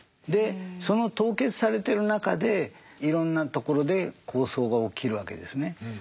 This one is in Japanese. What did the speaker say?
でその凍結されてる中でいろんなところで抗争が起きるわけですね。